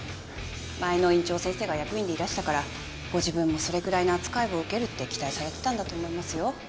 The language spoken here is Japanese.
前の院長先生が役員でいらしたからご自分もそれぐらいの扱いを受けるって期待されてたんだと思いますよ。